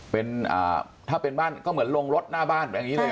เป็นถ้าเป็นบ้านก็เหมือนลงรถหน้าบ้านแบบนี้เลย